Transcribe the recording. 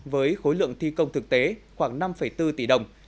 với khối lượng thi công thực tế khoảng năm bốn tỷ đồng